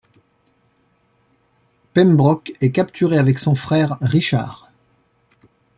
Pembroke est capturé avec son frère, Richard.